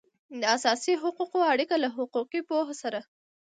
د اساسي حقوقو اړیکه له حقوقي پوهو سره